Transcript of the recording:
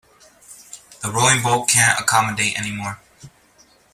The rowing boat can't accommodate any more.